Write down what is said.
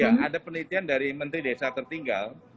ya ada penelitian dari menteri desa tertinggal